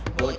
eh turun loh